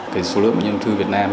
cái số lượng bệnh nhân thư việt nam